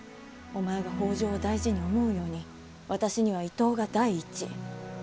お前が北条を大事に思うように私には伊東が第一。